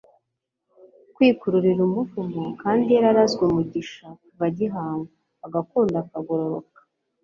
kwikururira umuvumo kandi yararazwe umugisha kuva agihangwa, agakunda akagororoka